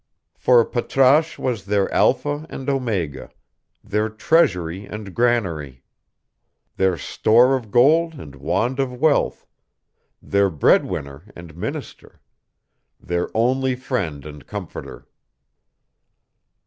For Patrasche was their alpha and omega; their treasury and granary; their store of gold and wand of wealth; their bread winner and minister; their only friend and comforter.